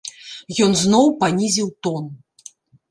Ён зноў панізіў тон.